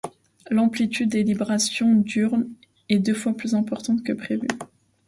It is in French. L'amplitude des librations diurnes est deux fois plus importante que prévu, i.e.